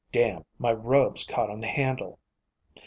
Damn, my robe's caught on the handle.